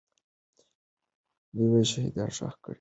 دوی شهیدان ښخ کړي وو.